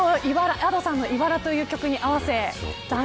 Ａｄｏさんのいばらという曲に合わせて。